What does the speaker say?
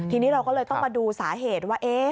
ทีนี้เราก็เลยต้องมาดูสาเหตุว่า